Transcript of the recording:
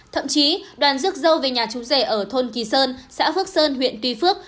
thậm chí đoàn rước dâu về nhà chú rể ở thôn kỳ sơn xã phước sơn huyện tuy phước